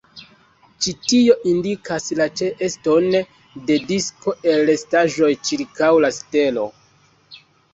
Ĉi tio indikas la ĉeeston de disko el restaĵoj ĉirkaŭ la stelo.